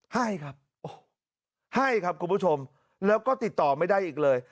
ให้ครับให้ครับคุณผู้ชมแล้วก็ติดต่อไม่ได้อีกเลย